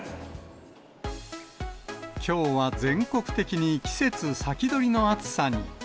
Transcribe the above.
きょうは全国的に季節先取りの暑さに。